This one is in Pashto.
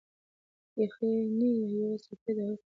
د یخنۍ یوې څپې د هغې پر نازک مخ باندې برېښنايي درد تېر کړ.